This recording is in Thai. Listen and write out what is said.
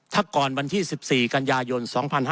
ถ้าก่อนวันที่๑๔กันยายน๒๕๕๙